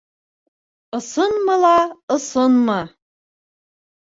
Ысынмы ла ысынмы!